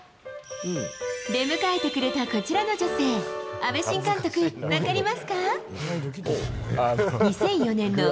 出迎えてくれたこちらの女性、阿部新監督、分かりますか？